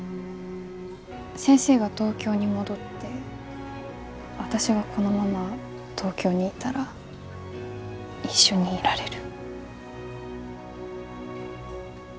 先生が東京に戻って私がこのまま東京にいたら一緒にいられる。